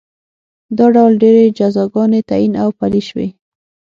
دا ډول ډېرې جزاګانې تعین او پلې شوې.